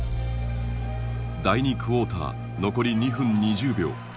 第２クォーター残り２分２０秒。